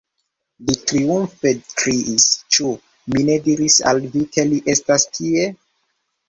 Li triumfe kriis: "Ĉu mi ne diris al vi, ke li estas tie?"